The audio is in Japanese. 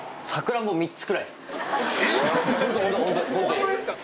ホントですか？